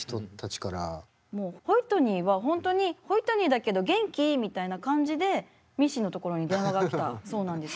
もうホイットニーは本当に「ホイットニーだけど元気？」みたいな感じでミッシーのところに電話が来たそうなんです。